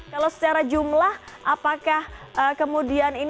kalau secara jumlah apakah kemudian ini